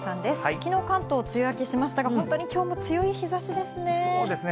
きのう、関東、梅雨明けしましたが、本当にきょうも強い日ざしでそうですね。